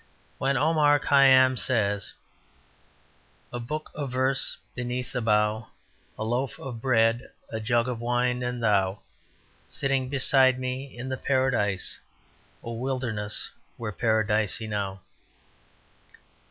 When Omar Khayyam says: 'A book of verse beneath the bough A loaf of bread, a jug of wine and thou Sitting beside me in the wilderness O wilderness were Paradise enow.'